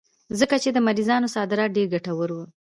ځکه چې د مریانو صادرات ډېر ګټور وو.